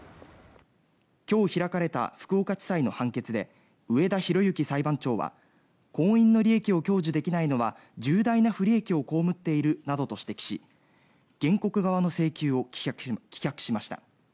今日開かれた福岡地裁の判決で上田洋幸裁判長は婚姻の利益を享受できないのは重大な不利益を被っているなどと指摘し原告側の請求を棄却しました。